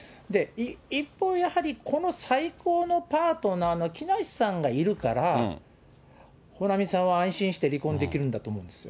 一方、やはりこの最高のパートナーの木梨さんがいるから、保奈美さんは安心して離婚できるんだと思うんですよ。